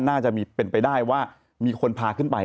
น่าจะมีเป็นไปได้ว่ามีคนพาขึ้นไป